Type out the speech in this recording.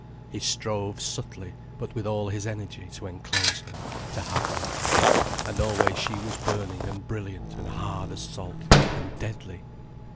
He strove subtly, but with all his energy, to enclose her, to have her. And always she was burning and brilliant and hard as salt, and deadly.